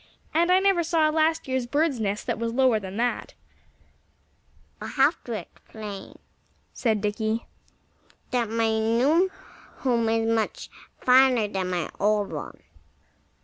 And I never saw a last year's bird's nest that was lower than that." "I shall have to explain," said Dickie, "that my new home is much finer than my old one.